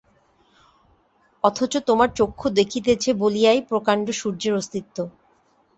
অথচ তোমার চক্ষু দেখিতেছে বলিয়াই প্রকাণ্ড সূর্যের অস্তিত্ব।